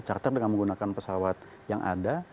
charter dengan menggunakan pesawat yang ada